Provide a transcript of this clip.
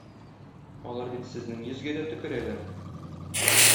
Алар бит сезнең йөзгә дә төкерәләр.